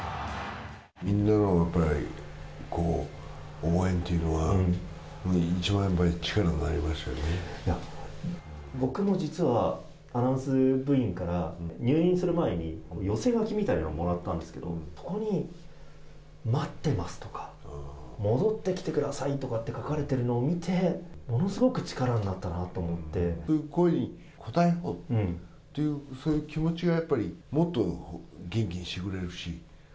みんなのやっぱり応援というのは、僕も実は、アナウンス部員から、入院する前に寄せ書きみたいなのをもらったんですけど、そこに待ってますとか、戻ってきてくださいとかって書かれてるのを見て、ものすごく力にそういう声に応えようという、そういう気持ちがやっぱりもっと元気にしてくれるし。